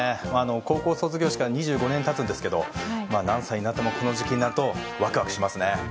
高校卒業してから２５年経つんですけど何歳になってもこの時期になるとワクワクしますね。